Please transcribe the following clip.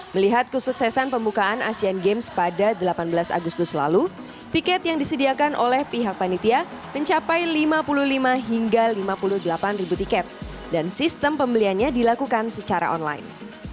melihat kesuksesan pembukaan asian games pada delapan belas agustus lalu tiket yang disediakan oleh pihak panitia mencapai lima puluh lima hingga lima puluh delapan ribu tiket dan sistem pembeliannya dilakukan secara online